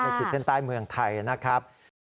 ในคลิกเซ็นต์ใต้เมืองไทยนะครับ